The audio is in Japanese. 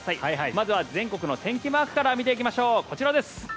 まずは全国の天気マークから見ていきましょう。